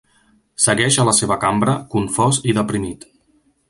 Segueix a la seva cambra, confós i deprimit.